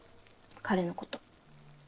彼のこと。